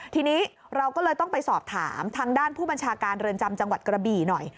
ทีนี้เราก็เลยต้องไปสอบถามทางด้านผู้บัญชาการเรือนจำจังหวัดกระบี่หน่อย